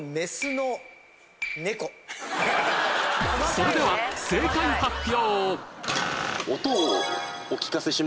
それでは正解発表！